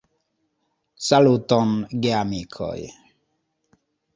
Saluton, geamikoj!